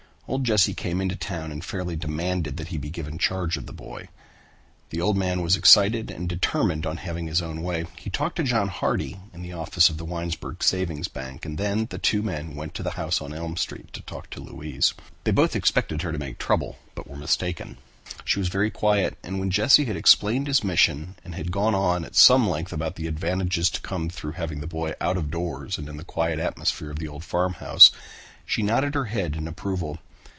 Old Jesse came into town and fairly demanded that he be given charge of the boy. The old man was excited and determined on having his own way. He talked to John Hardy in the office of the Winesburg Savings Bank and then the two men went to the house on Elm Street to talk with Louise. They both expected her to make trouble but were mistaken. She was very quiet and when Jesse had explained his mission and had gone on at some length about the advantages to come through having the boy out of doors and in the quiet atmosphere of the old farmhouse, she nodded her head in approval.